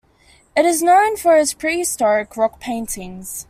It is known for its prehistoric rock paintings.